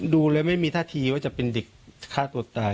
ดูแล้วไม่มีท่าทีว่าจะเป็นเด็กฆ่าตัวตาย